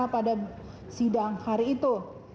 pada sidang hari itu